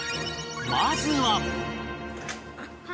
まずは